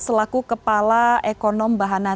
selaku kepala ekonom bahana